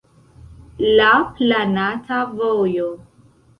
La planata vojo.